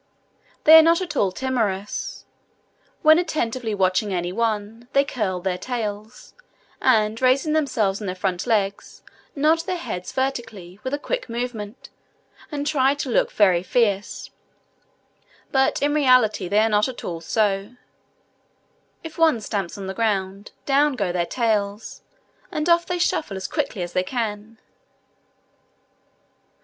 They are not at all timorous: when attentively watching any one, they curl their tails, and, raising themselves on their front legs, nod their heads vertically, with a quick movement, and try to look very fierce; but in reality they are not at all so: if one just stamps on the ground, down go their tails, and off they shuffle as quickly as they can.